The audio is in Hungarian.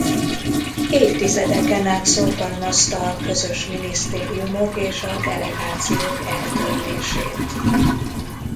Évtizedeken át szorgalmazta a közös minisztériumok és a delegációk eltörlését.